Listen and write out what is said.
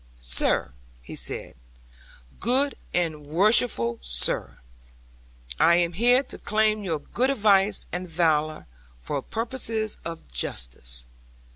'"Sir," said he, "good and worshipful sir, I am here to claim your good advice and valour; for purposes of justice.